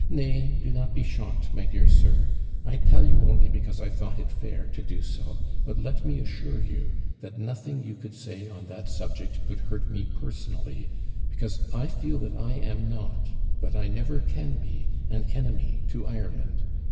Nay, do not be shocked, my dear sir; I tell you only, because I thought it fair to do so; but let me assure you, that nothing you could say on that subject could hurt me personally, because I feel that I am not, that I never can be, an enemy to Ireland.